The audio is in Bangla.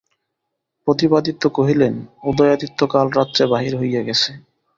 প্রতাপাদিত্য কহিলেন, উদয়াদিত্য কাল রাত্রে বাহির হইয়া গেছে?